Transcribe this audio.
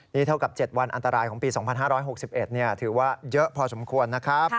นี่เท่ากับ๗วันอันตรายของปี๒๕๖๑ถือว่าเยอะพอสมควรนะครับ